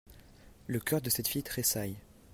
Le cœur de cette fille tréssaille.